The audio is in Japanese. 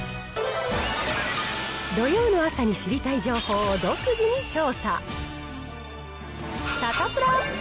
土曜の朝に知りたい情報を独自に調査。